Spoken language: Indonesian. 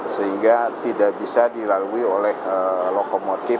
sehingga tidak bisa dilalui oleh lokomotif